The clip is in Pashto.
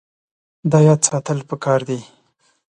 دا یاد ساتل پکار دي.